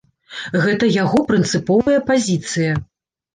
Гэта яго прынцыповая пазіцыя!